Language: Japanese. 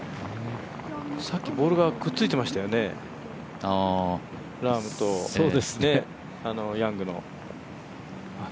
さっきボールがくっついてましたよね、ラームとヤングの。